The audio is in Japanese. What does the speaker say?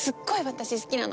私好きなの。